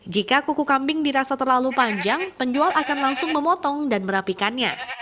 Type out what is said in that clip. jika kuku kambing dirasa terlalu panjang penjual akan langsung memotong dan merapikannya